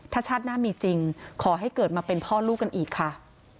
ถ้าชาติหน้ามีจริงขอให้เกิดมาเป็นพ่อลูกกันอีกค่ะ